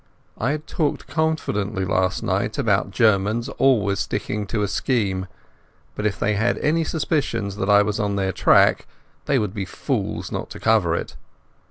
I had talked confidently last night about Germans always sticking to a scheme, but if they had any suspicions that I was on their track they would be fools not to cover it.